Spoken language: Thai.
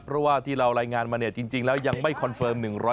เพราะว่าที่เรารายงานมาเนี่ยจริงแล้วยังไม่คอนเฟิร์ม